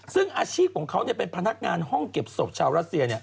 ซึ่งอาชีพของเขาเป็นพนักงานห้องเก็บศพชาวรัสเซีย